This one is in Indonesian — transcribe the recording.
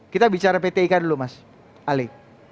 kita bicara pt ika dulu mas ali